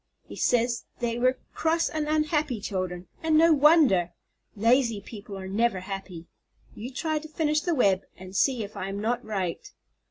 He says they were cross and unhappy children, and no wonder! Lazy people are never happy. You try to finish the web, and see if I am not right.